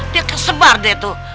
dia kesebar deh tuh